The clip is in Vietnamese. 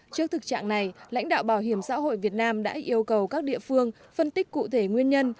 trước thực trạng này lãnh đạo bảo hiểm xã hội việt nam đã yêu cầu các địa phương phân tích cụ thể nguyên nhân